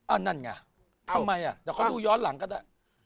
นั่นไงทำไมอ่ะเดี๋ยวเขาดูย้อนหลังก็ได้